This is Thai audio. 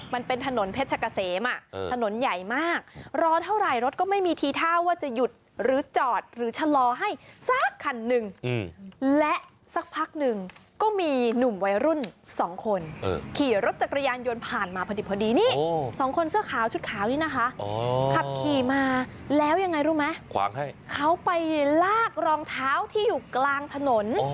มันเป็นถนนเพชรกะเสมถนนใหญ่มากรอเท่าไหร่รถก็ไม่มีทีท่าว่าจะหยุดหรือจอดหรือชะลอให้สักคันหนึ่งและสักพักหนึ่งก็มีหนุ่มวัยรุ่น๒คนขี่รถจักรยานยนต์ผ่านมาพอดีนี่สองคนเสื้อขาวชุดขาวนี่นะคะขับขี่มาแล้วยังไงรู้ไหมเขาไปลากรองเท้าที่อยู่กลางถนน